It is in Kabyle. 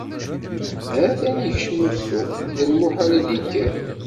Ha-t-an ikcem usu, d lmuḥal ad ikker.